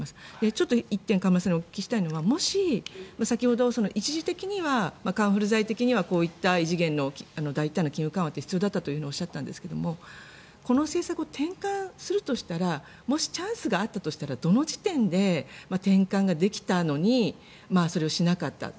ちょっと１点河村さんにお聞きしたいのはもし、先ほど一時的にはカンフル剤的にはこういった異次元の大胆な金融緩和って必要だったとおっしゃったんですがこの政策を転換するとしたらもし、チャンスがあったとしたらどの時点で転換ができたのにそれをしなかった。